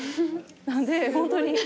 なんで本当に。